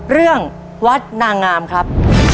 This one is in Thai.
เรื่องวัดนางงามครับ